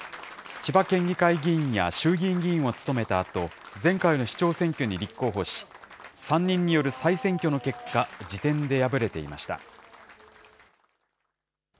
千葉県議会議員や衆議院議員を務めたあと、前回の市長選挙に立候補し、３人による再選挙の結果、次点で敗れていました。